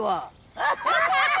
アハハハ！